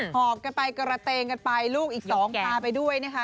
หอบกันไปกระเตงกันไปลูกอีกสองพาไปด้วยนะคะ